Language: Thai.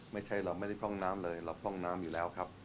ไม่ใช่เราไม่ได้พร่องน้ำเลยเราพร่องน้ำอยู่แล้วครับ